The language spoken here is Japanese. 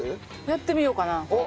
やってみようかな。